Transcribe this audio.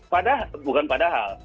pada bukan padahal